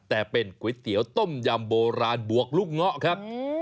แต่เป็นก๋วยเตี๋ยวต้มยำโบราณบวกลูกเงาะครับ